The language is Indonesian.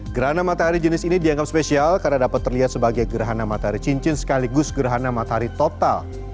gerhana matahari jenis ini dianggap spesial karena dapat terlihat sebagai gerhana matahari cincin sekaligus gerhana matahari total